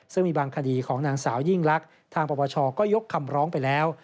ซึ่งมีบางคดีของนางสาวยิ่งลักษณ์ทางปปชก็ยกคำร้องไปแล้ว